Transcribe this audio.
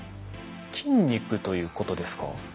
筋肉ということですか？